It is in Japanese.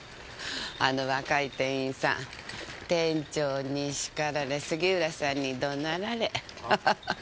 あの若い店員さん店長に叱られ杉浦さんに怒鳴られアハハ。